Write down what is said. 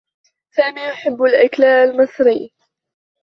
سامي يحبّ الأكل المصري.